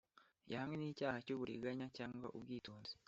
Yahamwe n icyaha cy uburiganya cyangwa ubwitonzi